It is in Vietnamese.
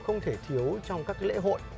không thể thiếu trong các lễ hội